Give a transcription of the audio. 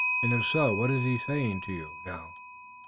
And if so, what is he saying to you now?"